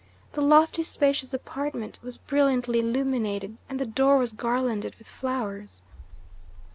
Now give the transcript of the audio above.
The lofty, spacious apartment was brilliantly illuminated, and the door was garlanded with flowers.